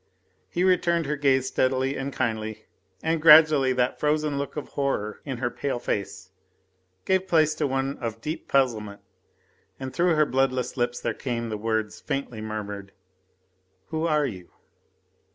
He returned her gaze steadily and kindly, and gradually that frozen look of horror in her pale face gave place to one of deep puzzlement, and through her bloodless lips there came the words, faintly murmured: "Who are you?"